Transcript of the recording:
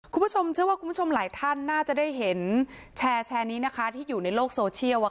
คุณผู้ชมเชื่อว่าคุณผู้ชมหลายท่านน่าจะได้เห็นแชร์นี้นะคะที่อยู่ในโลกโซเชียล